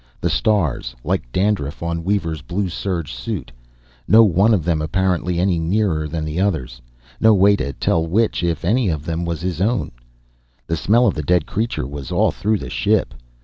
The stars, like dandruff on Weaver's blue serge suit. No one of them, apparently, any nearer than the others. No way to tell which, if any of them, was his own. The smell of the dead creature was all through the ship.